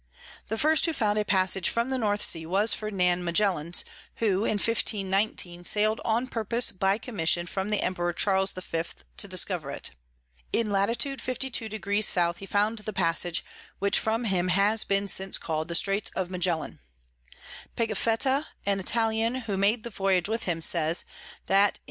The first who found a Passage from the North Sea was Ferdinand Magaillans, who in 1519 sail'd on purpose by Commission from the Emperor Charles V. to discover it. In Lat. 52. S. he found the Passage, which from him has been since call'd the Straits of Magellan. Pigafetta an Italian, who made the Voyage with him, says that in S.